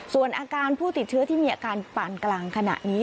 ส่วนอาการผู้ติดเชื้อที่มีอาการปานกลางขณะนี้